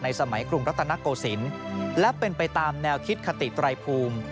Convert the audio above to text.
สมัยกรุงรัตนโกศิลป์และเป็นไปตามแนวคิดคติไตรภูมิ